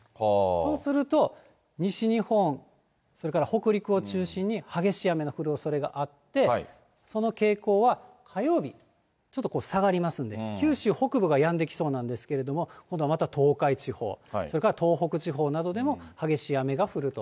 そうすると西日本、それから北陸を中心に激しい雨の降るおそれがあって、その傾向は火曜日、ちょっとこう下がりますんで、九州北部がやんできそうなんですけれども、今度はまた東海地方、それから東北地方などでも、激しい雨が降ると。